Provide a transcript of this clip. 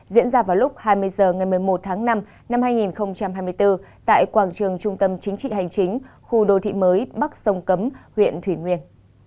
diễn ra vào lúc hai mươi h ngày một mươi một tháng năm năm hai nghìn hai mươi bốn tại quảng trường trung tâm chính trị hành chính khu đô thị mới bắc sông cấm huyện thủy nguyên